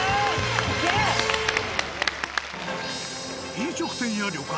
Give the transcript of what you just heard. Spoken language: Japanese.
飲食店や旅館